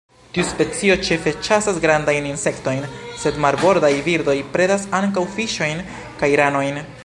Tiu specio ĉefe ĉasas grandajn insektojn, sed marbordaj birdoj predas ankaŭ fiŝojn kaj ranojn.